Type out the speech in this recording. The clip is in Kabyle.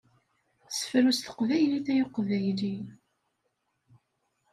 Sefru s teqbaylit ay aqbayli!